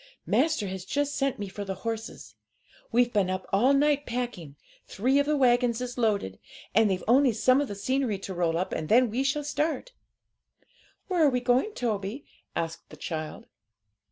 Master has just sent me for the horses; we've been up all night packing; three of the waggons is loaded, and they've only some of the scenery to roll up, and then we shall start.' 'Where are we going, Toby?' asked the child.